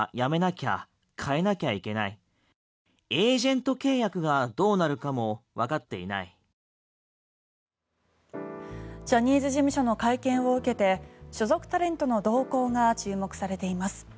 ジャニーズ事務所の会見を受けて所属タレントの動向が注目されています。